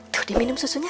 tuh di minum susunya